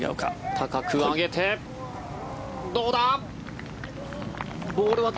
高く上げて、どうだ。